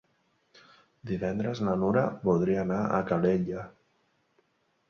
Divendres na Nura voldria anar a Calella.